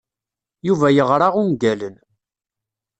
Yuba yeɣra ungalen.